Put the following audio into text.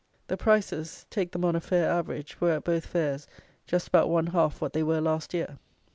The prices, take them on a fair average, were, at both fairs, just about one half what they were last year.